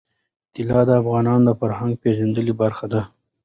طلا د افغانانو د فرهنګي پیژندنې برخه ده.